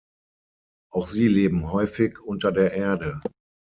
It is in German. Auch sie leben häufig unter der Erde.